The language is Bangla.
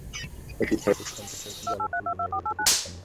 এটি ছয়টি ফুটন্ত জলের চুল্লী নিয়ে গঠিত বিদ্যুৎ কেন্দ্র।